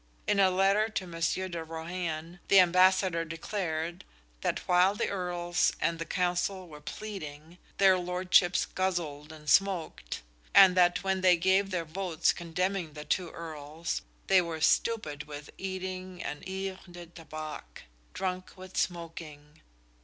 In a letter to Monsieur de Rohan, the Ambassador declared that while the Earls and the Counsel were pleading, their lordships guzzled and smoked; and that when they gave their votes condemning the two Earls, they were stupid with eating and "yvres de tabac" drunk with smoking.